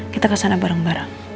kita kesana bareng bareng